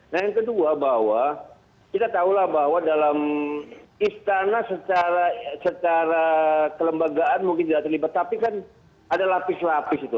nah yang kedua bahwa kita tahulah bahwa dalam istana secara kelembagaan mungkin tidak terlibat tapi kan ada lapis lapis itu